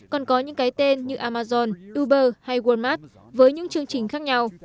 còn có những cái tên như amazon uber hay walmart với những chương trình khác nhau